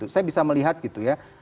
saya bisa melihat gitu ya